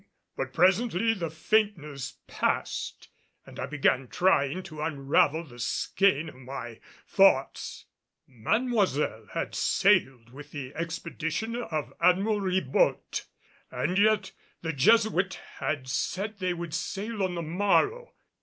But presently the faintness passed and I began trying to unravel the skein of my thoughts. Mademoiselle had sailed with the expedition of Admiral Ribault, and yet the Jesuit had said they would sail on the morrow.